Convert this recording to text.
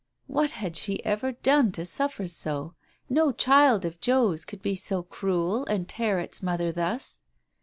What had she ever done to suffer so ? No child of Joe's could be so cruel and tear its mother thus